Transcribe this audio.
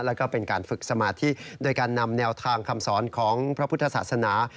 แล้วก็เป็นการฝึกสมาธิโดยการนำแนวทางคำสอนของพระพุทธศาสนา